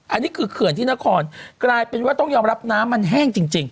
อันนี้คือเขื่อนที่นครกลายเป็นว่าต้องยอมรับน้ำมันแห้งจริง